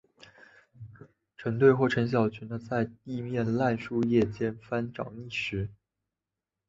成对或成小群在地面烂树叶间翻找觅食。